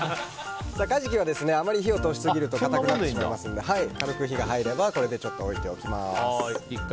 カジキはあまり火を通しすぎると硬くなってしまうので軽く火が入ればこれで置いておきます。